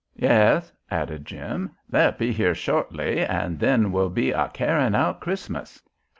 "Yes," added Jim, "they'll be here shortly and then we'll be a carryin' out Christmas.